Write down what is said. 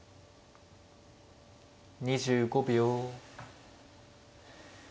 ２５秒。